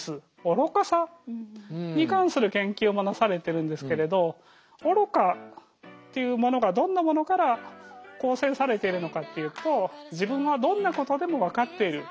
に関する研究もなされてるんですけれど愚かというものがどんなものから構成されてるのかっていうと自分はどんなことでも分かっている。